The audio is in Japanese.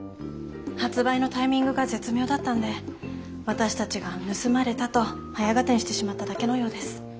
発売のタイミングが絶妙だったんで私たちが盗まれたと早合点してしまっただけのようです。